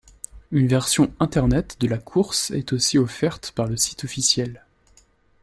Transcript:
Une version internet de la course est aussi offerte par le site officiel.